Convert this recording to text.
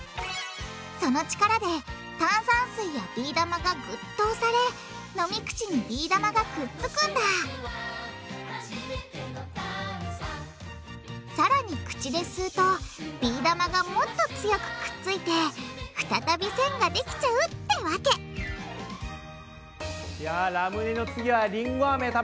その力で炭酸水やビー玉がグッと押され飲み口にビー玉がくっつくんださらに口で吸うとビー玉がもっと強くくっついて再びせんができちゃうってわけいやラムネの次はりんごアメ食べたいな。